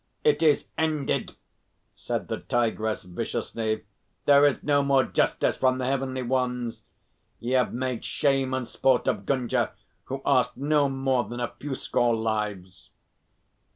"It is ended," said the Tigress, viciously. "There is no more justice from the Heavenly Ones. Ye have made shame and sport of Gunga, who asked no more than a few score lives."